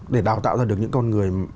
để đào tạo ra được những con người